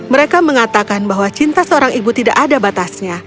mereka mengatakan bahwa cinta seorang ibu tidak ada batasnya